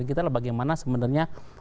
kita adalah bagaimana sebenarnya